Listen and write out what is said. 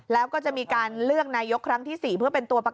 แล้วก็จะมีการเลือกนายกครั้งที่๔เพื่อเป็นตัวประกัน